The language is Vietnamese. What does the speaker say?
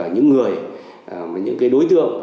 những người những đối tượng